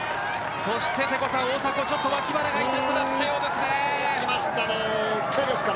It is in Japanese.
そして大迫脇腹が痛くなっています。